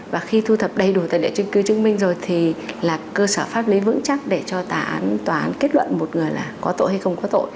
và khi thu thập đầy đủ tài liệu chứng cứ chứng minh rồi thì là cơ sở pháp lý vững chắc để cho tòa án tòa án kết luận một người là có tội hay không có tội